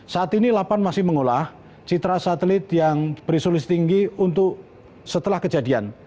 saat ini lapan masih mengolah citra satelit yang berisolis tinggi untuk setelah kejadian